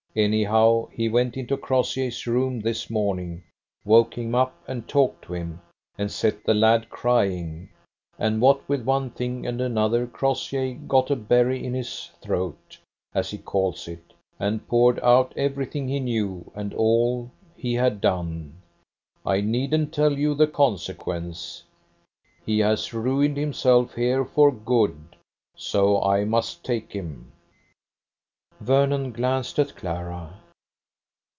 Anyhow, he went into Crossjay's room this morning, woke him up and talked to him, and set the lad crying, and what with one thing and another Crossjay got a berry in his throat, as he calls it, and poured out everything he knew and all he had done. I needn't tell you the consequence. He has ruined himself here for good, so I must take him." Vernon glanced at Clara.